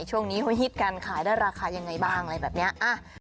ช่วงนี้เขาฮิตกันขายได้ราคายังไงบ้างอะไรแบบนี้